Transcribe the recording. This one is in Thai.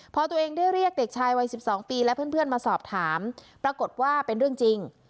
พอตัวเองได้เรียกเด็กชายวัย๑๒ปีและเพื่อนมาสอบถามปรากฏว่าเป็นเรื่องจริง